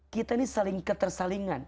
kita ini saling ketersalingan